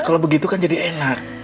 kalau begitu kan jadi enak